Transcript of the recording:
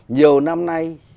nhiều năm nay